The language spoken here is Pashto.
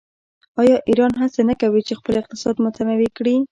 آیا ایران هڅه نه کوي چې خپل اقتصاد متنوع کړي؟